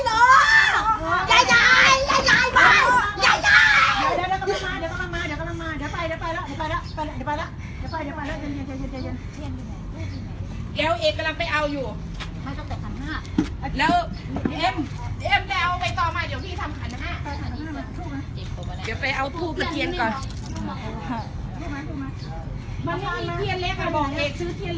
แม่หน่อยแล้วน่ะไม่ใช่ไงเราก็เห็นนะคะไม่ใช่แล้วไปช่วยกับอย่างหนึ่งไม่ใช่